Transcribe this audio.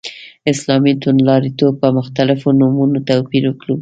اسلامي توندلاریتوب په مختلفو نومونو توپير کړو.